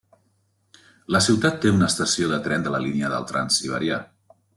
La ciutat té una estació de tren de la línia del Transsiberià.